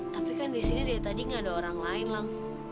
tapi kan di sini dari tadi nggak ada orang lain lah